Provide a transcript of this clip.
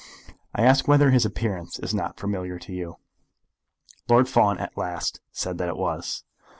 I ask whether his appearance is not familiar to you?" Lord Fawn at last said that it was.